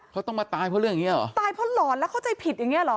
เขาต้องมาตายเพราะเรื่องอย่างเงี้เหรอตายเพราะหลอนแล้วเข้าใจผิดอย่างเงี้เหรอ